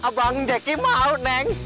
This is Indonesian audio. abang jeki mau neng